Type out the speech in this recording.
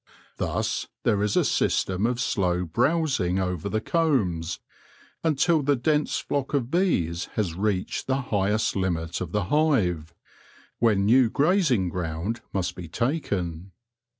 Thus there is a system of slow brow sing over the combs, until the dense flock of bees has reached the highest limit of the hive, when new grazing ground must be taken.